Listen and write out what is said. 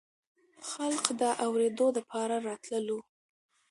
خلق د اورېدو دپاره راتللو